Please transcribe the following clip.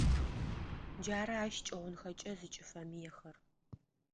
Джары ащ кӏыгъунхэкӏэ зыкӏыфэмыехэр.